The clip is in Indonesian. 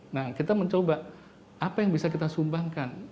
nah kita mencoba apa yang bisa kita sumbangkan